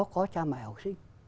có cha mẹ học sinh